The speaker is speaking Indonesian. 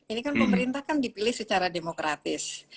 ini kan pemerintah kan dipilih secara demokratis